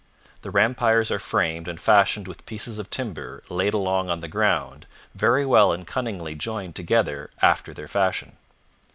The rampires are framed and fashioned with pieces of timber laid along on the ground, very well and cunningly joined together after their fashion.